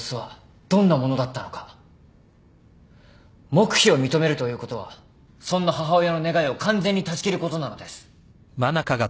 黙秘を認めるということはそんな母親の願いを完全に断ち切ることなのです。